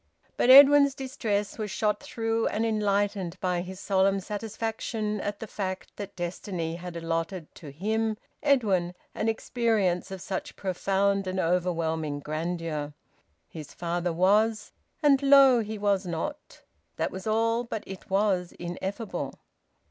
But Edwin's distress was shot through and enlightened by his solemn satisfaction at the fact that destiny had allotted to him, Edwin, an experience of such profound and overwhelming grandeur. His father was, and lo! he was not. That was all, but it was ineffable.